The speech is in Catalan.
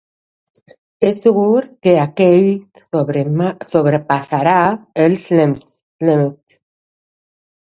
És segur que aquell sobrepassarà els límits?